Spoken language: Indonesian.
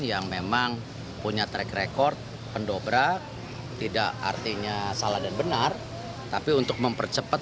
yang memang punya track record pendobrak tidak artinya salah dan benar tapi untuk mempercepat